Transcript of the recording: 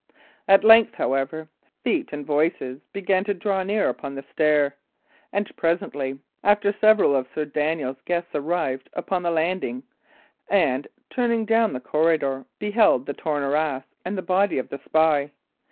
At length, however, feet and voices began to draw near upon the stair; and presently after several of Sir Daniel's guests arrived upon the landing, and, turning down the corridor, beheld the torn arras and the body of the spy.